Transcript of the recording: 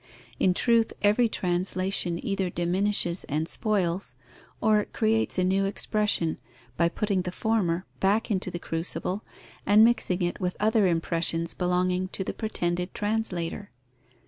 In truth, every translation either diminishes and spoils; or it creates a new expression, by putting the former back into the crucible and mixing it with other impressions belonging to the pretended translator.